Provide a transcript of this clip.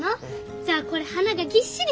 じゃあこれ花がぎっしりしてるの？